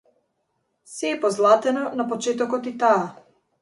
Сѐ е позлатено, на почетокот и таа.